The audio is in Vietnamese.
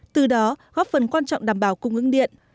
từ đó góp phần quan trọng đảm bảo cung ứng điện